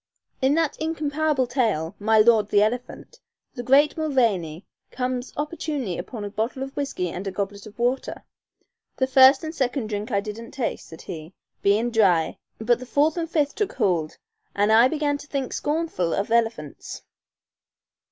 In that incomparable tale, "My Lord the Elephant," the great Mulvaney comes opportunely upon a bottle of whiskey and a goblet of water. "The first and second dhrink I didn't taste," said he, "bein' dhry, but the fourth and fifth took hould, an' I began to think scornful of elephants."